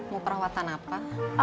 mau perawatan apa